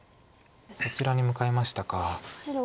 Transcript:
そちらに向かいましたか。